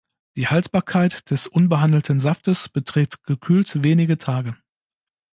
Die Haltbarkeit des unbehandelten Saftes beträgt gekühlt wenige Tage.